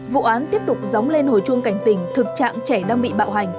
vụ án tiếp tục dóng lên hồi chuông cảnh tình thực trạng trẻ đang bị bạo hành